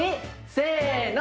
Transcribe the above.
せの！